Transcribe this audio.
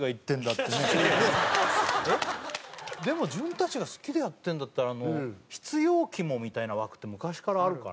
でも自分たちが好きでやってるんだったら「必要キモ」みたいな枠って昔からあるから。